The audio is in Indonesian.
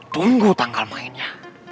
tunggu tanggal mainnya